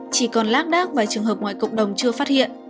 chỉ còn lác đác vài trường hợp ngoài cộng đồng chưa phát hiện